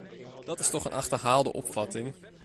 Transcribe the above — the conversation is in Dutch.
Dat is toch een achterhaalde opvatting!